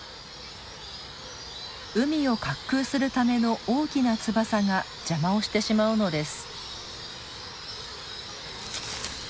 海を滑空するための大きな翼が邪魔をしてしまうのです。